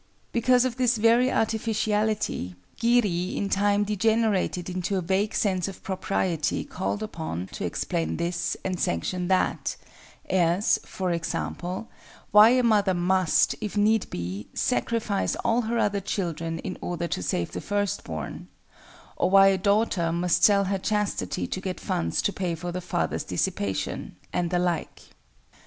Because of this very artificiality, Giri in time degenerated into a vague sense of propriety called up to explain this and sanction that,—as, for example, why a mother must, if need be, sacrifice all her other children in order to save the first born; or why a daughter must sell her chastity to get funds to pay for the father's dissipation, and the like.